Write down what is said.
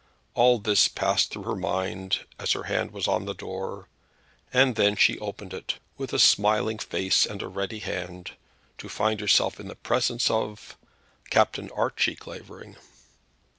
All this passed through her mind as her hand was on the door; and then she opened it, with a smiling face and ready hand, to find herself in the presence of Captain Archie Clavering.